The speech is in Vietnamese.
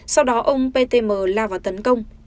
sau đó ông ptm la vào tấn công